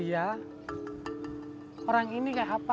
sesama semangat doprat